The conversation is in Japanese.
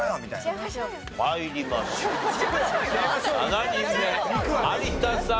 ７人目有田さん